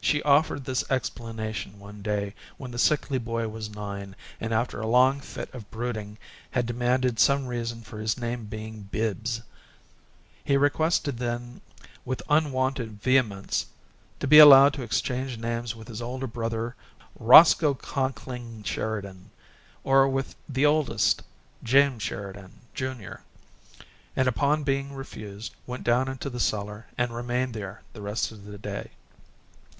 She offered this explanation one day when the sickly boy was nine and after a long fit of brooding had demanded some reason for his name's being Bibbs. He requested then with unwonted vehemence to be allowed to exchange names with his older brother, Roscoe Conkling Sheridan, or with the oldest, James Sheridan, Junior, and upon being refused went down into the cellar and remained there the rest of that day.